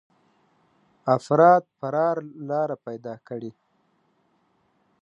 افراد فرار لاره پيدا کړي.